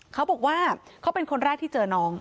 เขาบอกว่าเขาเป็นคนแรกที่เจอน้อง